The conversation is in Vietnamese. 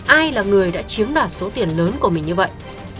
ai là người đã chiếm đoạt số tiền lớn của mình như vậy